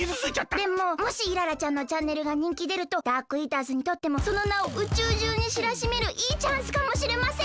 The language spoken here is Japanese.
でももしイララちゃんのチャンネルがにんきでるとダークイーターズにとってもそのなを宇宙じゅうにしらしめるいいチャンスかもしれません！